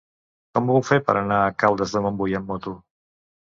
Com ho puc fer per anar a Caldes de Montbui amb moto?